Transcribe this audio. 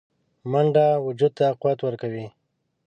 منډه وجود ته قوت ورکوي